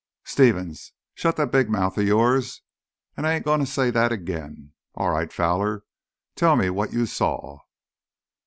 "Stevens, shut that big mouth of yours, an' I ain't gonna say that agin! All right, Fowler, tell me what you saw!"